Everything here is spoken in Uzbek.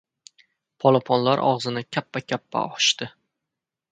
Polaponlar og‘zini kappa-kappa ochdi.